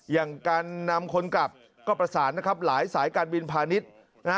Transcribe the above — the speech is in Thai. อย่างการนำคนกลับก็ประสานหลายสายการบินพาณิชย์